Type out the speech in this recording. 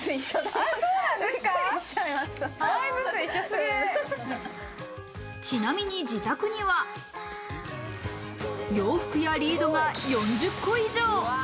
ギちなみに自宅には洋服やリードが４０個以上。